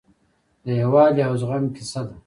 د یووالي او زغم کیسه ده.